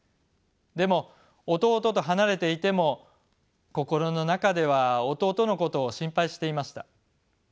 でも弟と離れていても心の中では弟のことを心配していました。